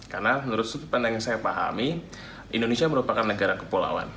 karena menurut sepandang yang saya pahami indonesia merupakan negara kepulauan